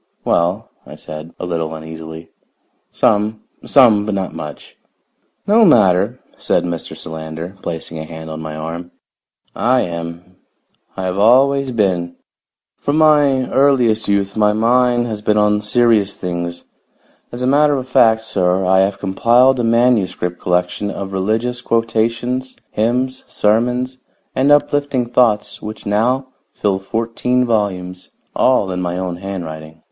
"Well," I said, a little uneasily, "some. Some, but not much." "No matter," said Mr. Solander, placing a hand on my arm. "I am. I have always been. From my earliest youth my mind has been on serious things. As a matter of fact, sir, I have compiled a manuscript collection of religious quotations, hymns, sermons and uplifting thoughts which now fill fourteen volumes, all in my own handwriting.